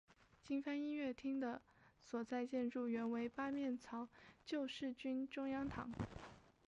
金帆音乐厅的所在建筑原为八面槽救世军中央堂。